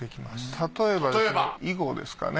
たとえば囲碁ですかね。